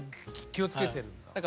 気をつけてるんだ。